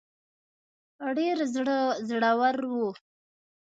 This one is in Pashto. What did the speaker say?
ډېر زړه ور وو.